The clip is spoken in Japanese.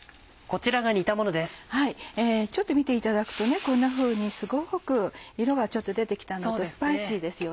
ちょっと見ていただくとこんなふうにすごく色が出て来たのとスパイシーですよね。